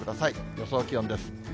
予想気温です。